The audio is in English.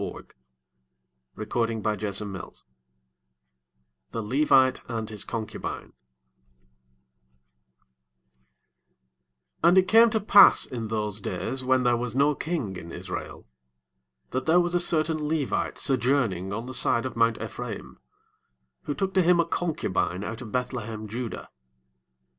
2000. 19 The Book of Judges 19 The Levite and His Concubine 1 And it came to pass in those days, when there was no king in Israel, that there was a certain Levite sojourning on the side of mount E'phra im, who took to him a concubine out of Beth–lehem–judah.